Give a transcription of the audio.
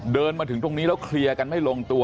เดินมาถึงตรงนี้แล้วเคลียร์กันไม่ลงตัว